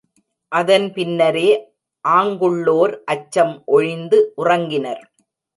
அதன் பின்னரே, ஆங்குள்ளோர் அச்சம் ஒழிந்து உறங்கினர்.